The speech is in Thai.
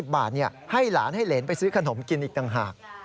บาทให้หลานให้เหรนไปซื้อขนมกินอีกต่างหาก